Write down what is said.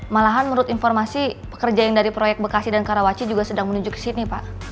malahan menurut informasi pekerja yang dari proyek bekasi dan karawaci juga sedang menuju ke sini pak